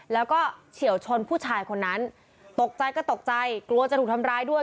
แล้วก็เฉียวชนผู้ชายคนนั้นตกใจก็ตกใจกลัวจะถูกทำร้ายด้วย